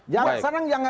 jangan sekarang yang